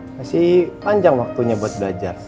masih panjang waktunya buat belajar